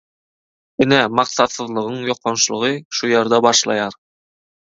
Ine maksatsyzlygyň ýokançlygy şu ýerde başlaýar.